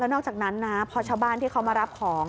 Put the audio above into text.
นอกจากนั้นนะพอชาวบ้านที่เขามารับของ